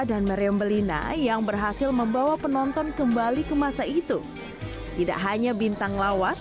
dan miremilina yang berhasil membawa penonton kembali ke masa itu tidak hanya bintang lawas